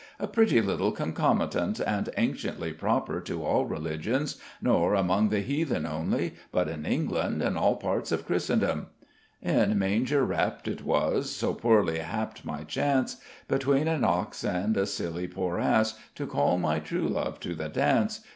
"A pretty little concomitant, and anciently proper to all religions, nor among the heathen only, but in England and all parts of Christendom _In manger wrapped it was So poorly happ'd my chance Between an ox and a silly poor ass To call my true love to the dance!